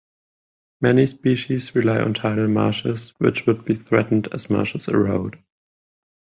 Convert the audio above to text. Many species rely on tidal marshes which would be threatened as marshes erode.